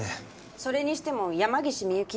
それにしても山岸ミユキ